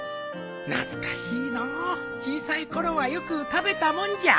懐かしいのう小さいころはよく食べたもんじゃ。